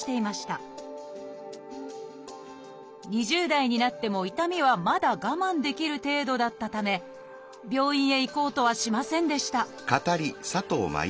２０代になっても痛みはまだ我慢できる程度だったため病院へ行こうとはしませんでした